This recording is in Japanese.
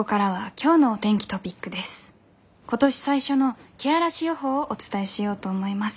今年最初のけあらし予報をお伝えしようと思います。